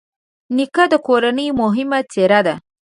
نیکه د کورنۍ مهمه څېره ده.